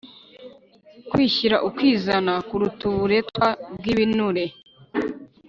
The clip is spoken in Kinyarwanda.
kwishyira ukizana kuruta uburetwa bwibinure